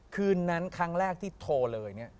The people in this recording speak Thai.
คืนนั้นครั้งแรกที่โทรเลย